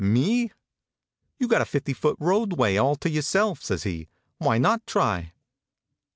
"Me?" You got a fifty foot roadway all to yourself," says he. Why not try?